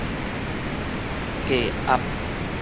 低壓